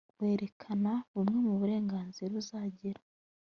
werekana bumwe mu burengazira uzagira